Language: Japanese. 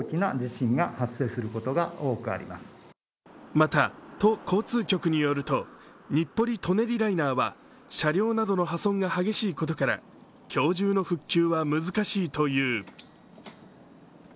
また、都交通局によると、日暮里・舎人ライナーは車両などの破損が激しいことから今日中の復旧は難しいという。